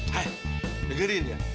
hai dengerin ya